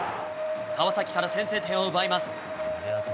川崎から先制点を奪います。